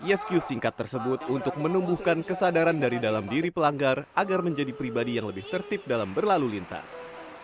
rescue singkat tersebut untuk menumbuhkan kesadaran dari dalam diri pelanggar agar menjadi pribadi yang lebih tertib dalam berlalu lintas